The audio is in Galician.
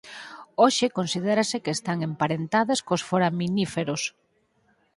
Hoxe considérase que están emparentadas cos foraminíferos.